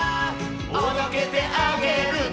「おどけてあげるね」